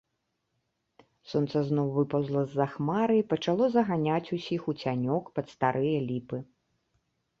Сонца зноў выпаўзла з-за хмары і пачало заганяць усіх у цянёк пад старыя ліпы.